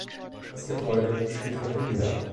Das Gebäude steht heute leer.